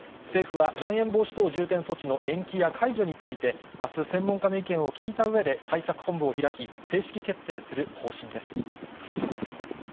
政府はまん延防止等重点措置の延期や解除について、あす、専門家の意見を聞いたうえで対策本部を開き、正式決定する方針です。